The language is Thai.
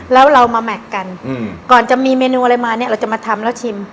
แล้วเรามาแม็กซ์กันก่อนจะมีเมนูอะไรมาเนี่ยเราจะมาทำแล้วชิม